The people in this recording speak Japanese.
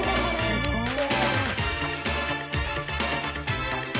すごい。